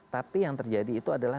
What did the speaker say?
tapi yang terjadi itu adalah